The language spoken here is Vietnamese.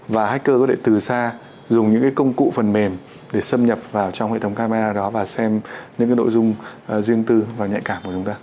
và hacker có thể từ xa dùng những công cụ phần mềm để xâm nhập vào trong hệ thống camera đó và xem những nội dung riêng tư và nhạy cảm của chúng ta